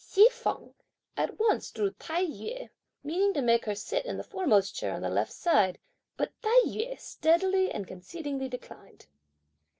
Hsi feng at once drew Tai yü, meaning to make her sit in the foremost chair on the left side, but Tai yü steadily and concedingly declined.